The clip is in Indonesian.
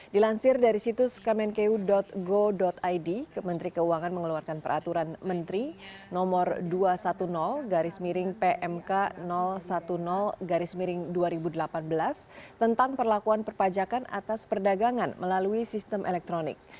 dilansir dari situs kmenku go id menteri keuangan mengeluarkan peraturan menteri nomor dua ratus sepuluh pmk sepuluh dua ribu delapan belas tentang perlakuan perpajakan atas perdagangan melalui sistem elektronik